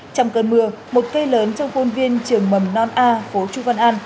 trong cơn mưa một cây lớn trong khuôn viên trường mầm non a phố chu văn an